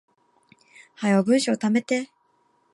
早う文章溜めて